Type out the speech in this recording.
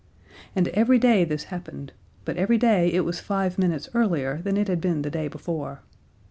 And every day this happened, but every day it was five minutes earlier than it had been the day before.